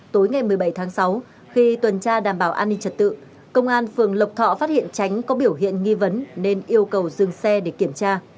tối ngày một mươi bảy tháng sáu khi tuần tra đảm bảo an ninh trật tự công an phường lộc thọ phát hiện tránh có biểu hiện nghi vấn nên yêu cầu dừng xe để kiểm tra